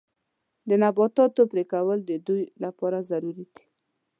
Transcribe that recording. د نباتاتو پرې کول د ودې لپاره ضروري دي.